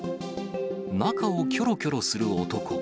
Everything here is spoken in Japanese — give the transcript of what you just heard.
中をきょろきょろする男。